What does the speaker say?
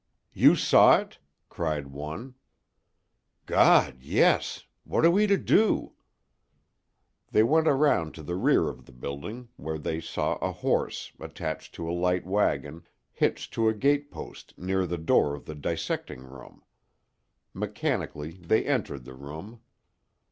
"You saw it?" cried one. "God! yes—what are we to do?" They went around to the rear of the building, where they saw a horse, attached to a light wagon, hitched to a gatepost near the door of the dissecting room. Mechanically they entered the room.